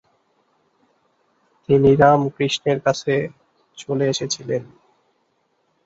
তিনি রামকৃষ্ণের কাছে চলে এসেছিলেন।